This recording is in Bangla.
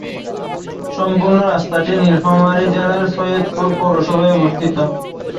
সম্পূর্ণ রাস্তাটি নীলফামারী জেলার সৈয়দপুর পৌরসভায় অবস্থিত।